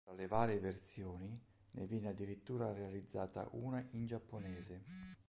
Tra le varie versioni ne viene addirittura realizzata una in giapponese.